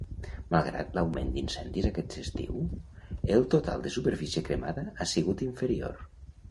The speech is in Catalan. Malgrat l'augment d'incendis aquest estiu, el total de superfície cremada ha sigut inferior.